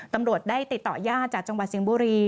ตำรวจได้ติดต่อยาดจากจังหวัดสิงห์บุรี